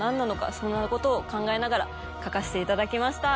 そんなことを考えながら書かせていただきました。